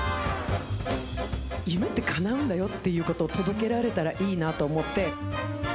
夢ってかなうんだよっていうことを届けられたらいいなと思って。